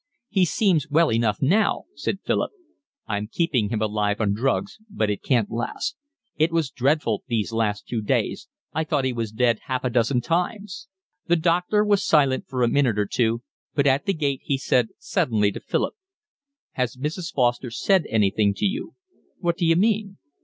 "He seems well enough now," said Philip. "I'm keeping him alive on drugs, but it can't last. It was dreadful these last two days, I thought he was dead half a dozen times." The doctor was silent for a minute or two, but at the gate he said suddenly to Philip: "Has Mrs. Foster said anything to you?" "What d'you mean?"